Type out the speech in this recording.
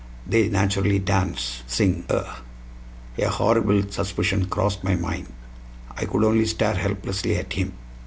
They naturally dance sing eh?" A horrible suspicion crossed my mind; I could only stare helplessly at him.